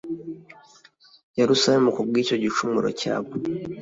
Yerusalemu ku bw icyo gicumuro cyabo